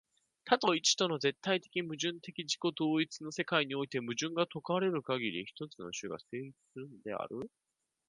多と一との絶対矛盾的自己同一の世界において、矛盾が解かれるかぎり、一つの種が成立するのである。